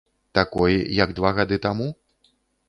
Такой, як два гады таму?